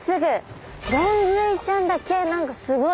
ゴンズイちゃんだけすごい。